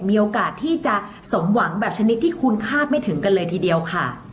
มีโอกาสที่จะสมหวังแบบชนิดที่คุณคาดไม่ถึงกันเลยทีเดียวค่ะ